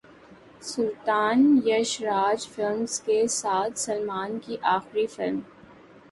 سلطان Yash Raj films کے ساتھ سلمان کی اخری فلم